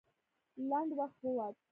لنډ وخت ووت.